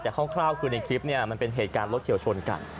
แต่คร่าวคือในคลิปเนี่ยมันเป็นเหตุการณ์รถเฉียวชนกัน